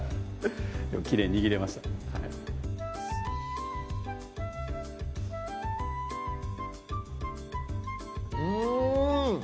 でもきれいに握れましたうん！